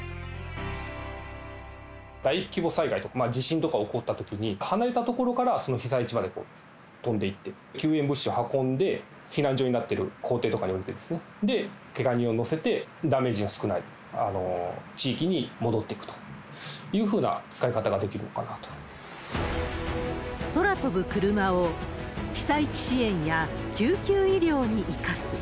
大規模災害とか、地震とか起こったときに、離れた所から被災地まで飛んでいって、救援物資を運んで、避難所になってる校庭とかに降りて、けが人を乗せて、ダメージが少ない地域に戻っていくというふうな使い方ができるかそら飛ぶクルマを被災地支援や救急医療に生かす。